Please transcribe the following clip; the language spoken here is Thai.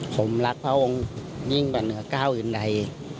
ผมรักพระองค์ยิ่งกว่าเหนือก้าวอื่นใด